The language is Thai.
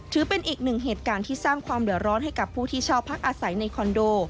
ถือเป็นอีกหนึ่งเหตุการณ์ที่สร้างความเดือดร้อนให้กับผู้ที่เช่าพักอาศัยในคอนโด